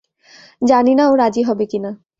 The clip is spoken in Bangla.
জানি না ও রাজি হবে কিনা।